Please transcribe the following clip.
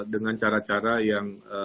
dengan cara cara yang